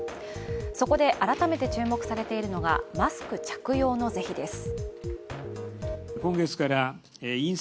そこで改めて注目されているのがマスク着用の是非です。